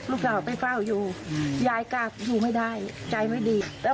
อ๋ออืออือ